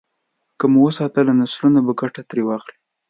که مو وساتله، نسلونه به ګټه ترې واخلي.